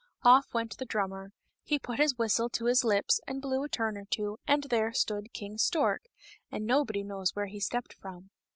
Of! went the drummer ; he put his whistle to his lips and blew a turn or two, and there stood King Stork, and nobody knows where he stepped from.